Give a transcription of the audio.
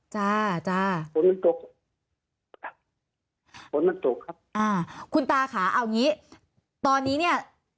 จ้าจ้ามันตกมันตกครับอ่าคุณตาขาเอาอย่างงี้ตอนนี้เนี้ย